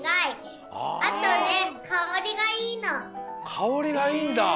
かおりがいいんだ。